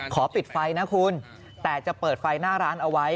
ปิดไฟนะคุณแต่จะเปิดไฟหน้าร้านเอาไว้